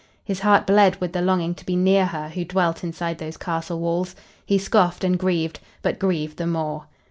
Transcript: His heart bled with the longing to be near her who dwelt inside those castle walls. He scoffed and grieved, but grieved the more.